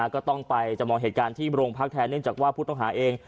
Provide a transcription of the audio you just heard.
ก็ต้องไปจำลองเหตุการณ์ที่โรงพักแทนเนื่องจากว่าผู้ต้องหาเอง